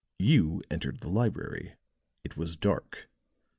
You entered the library. It was dark.